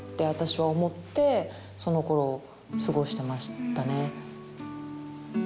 私は思ってそのころ過ごしてましたね。